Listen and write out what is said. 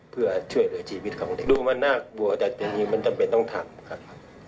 เพื่อช่วยเหลือชีวิตของเด็กดูมันน่ากลัวแต่จริงมันจำเป็นต้องทำครับ